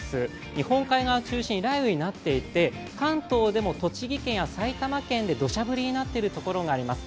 日本海側中心に雷雨になっていて、関東でも栃木県や埼玉県でどしゃ降りになっているところがあります。